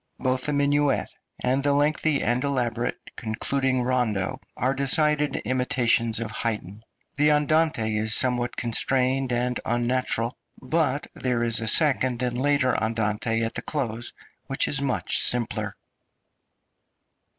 Both the minuet and the lengthy and elaborate concluding rondo are decided imitations of Haydn. The andante is somewhat constrained ami unnatural, but there is a second and later andante at the close, which is much simpler.